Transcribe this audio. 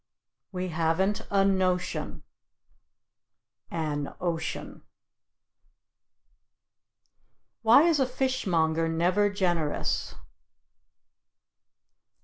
We haven't a notion (an ocean). Why is a fishmonger never generous?